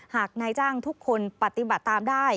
หากนายจ้างทุกคนปฏิบัติตามได้